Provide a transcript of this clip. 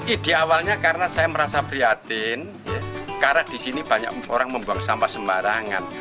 ide awalnya karena saya merasa prihatin karena di sini banyak orang membuang sampah sembarangan